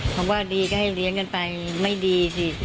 คำว่าดีก็ให้เลี้ยงกันไปไม่ดีสิ